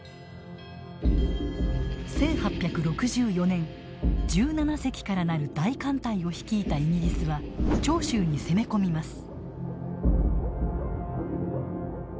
１８６４年１７隻から成る大艦隊を率いたイギリスは長州に攻め込みます。